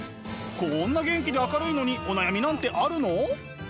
こんな元気で明るいのにお悩みなんてあるの？